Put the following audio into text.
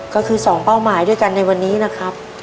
ก็คือ๒เป้าหมายด้วยกันในวันนี้นะครับ